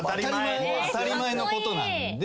当たり前のことなんで。